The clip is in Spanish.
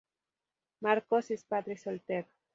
Marcos es padre soltero.